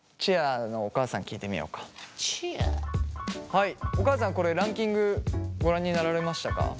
はいお母さんこれランキングご覧になられましたか？